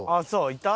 いた？